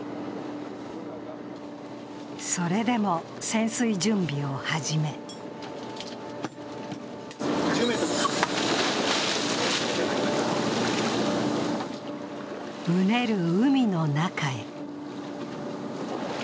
それでも潜水準備を始めうねる海の中へ。